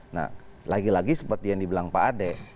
nah lagi lagi seperti yang dibilang pak ade